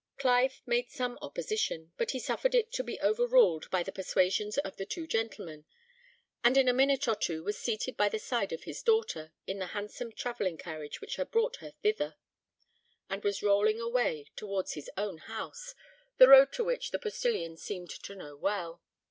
Clive made some opposition, but he suffered it to be overruled by the persuasions of the two gentlemen, and in a minute or two was seated by the side of his daughter, in the handsome travelling carriage which had brought her thither, and was rolling away towards his own house, the road to which the postillions seemed to know well.